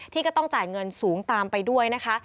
ก็ต้องจ่ายเงินสูงตามไปด้วยนะคะ